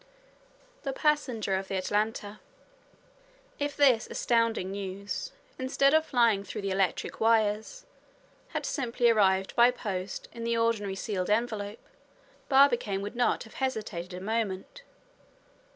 THE PASSENGER OF THE ATLANTA If this astounding news, instead of flying through the electric wires, had simply arrived by post in the ordinary sealed envelope, Barbicane would not have hesitated a moment.